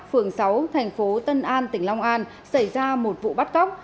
phường sáu thành phố tân an tỉnh long an xảy ra một vụ bắt cóc